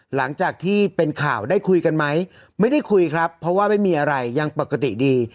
หลังจากที่เป็นข่าวได้คุยกันไหมไม่ได้คุยครับเพราะว่าไม่มีอะไรยังปกติดี